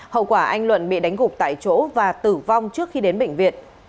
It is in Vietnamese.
hậu quả anh luận bị đánh gục tại chỗ và tử vong trước khi đến bệnh viện